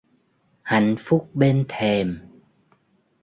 Hạnh phúc bên thềm